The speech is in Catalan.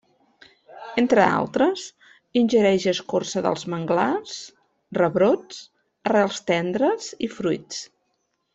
Entre altres, ingereix escorça dels manglars, rebrots, arrels tendres i fruits.